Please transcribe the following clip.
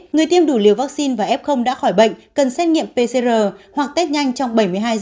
người tiêm đủ liều vaccine và f đã khỏi bệnh cần xét nghiệm pcr hoặc test nhanh trong bảy mươi hai h